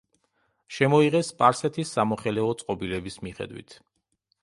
შემოიღეს სპარსეთის სამოხელეო წყობილების მიხედვით.